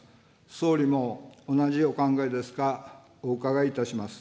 総理も同じお考えですか、お伺いいたします。